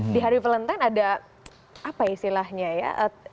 di hari valentine ada apa istilahnya ya